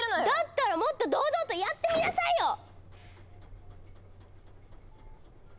だったらもっと堂々とやってみなさいよ！